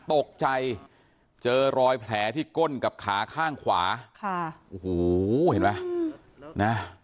ตกใจเจอรอยแผลที่ก้นกับขาข้างขวาค่ะโอ้โหเห็นไหมนะ